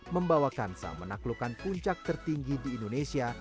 membawa kansa menaklukkan puncak tertinggi di indonesia